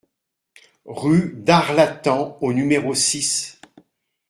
Rue d'Arlatan au numéro six